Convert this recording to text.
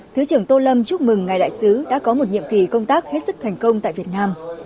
thứ trưởng tô lâm chúc mừng ngài đại sứ đã có một nhiệm kỳ công tác hết sức thành công tại việt nam